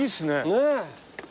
ねえ。